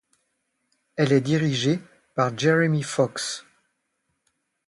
Elle est dirigée par Jeremy Fox.